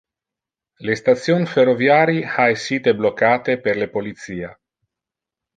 Le station ferroviari ha essite blocate per le policia.